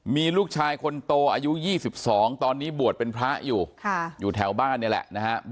มีลูกชายคนโตอายุ๒๒ตอนนี้บวชเป็นพระอยู่อยู่แถวบ้านนี่แหละนะครับ